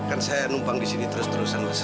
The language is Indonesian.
kan saya numpang di sini terus terusan mas